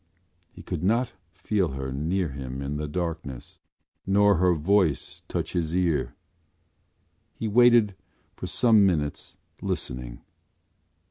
He could not feel her near him in the darkness nor her voice touch his ear. He waited for some minutes listening.